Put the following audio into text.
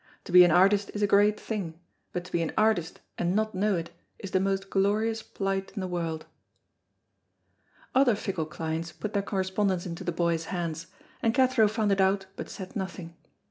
To be an artist is a great thing, but to be an artist and not know it is the most glorious plight in the world. Other fickle clients put their correspondence into the boy's hands, and Cathro found it out but said nothing.